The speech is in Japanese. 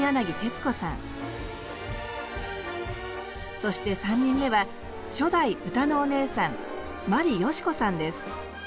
そして３人目は初代歌のお姉さん眞理ヨシコさんです。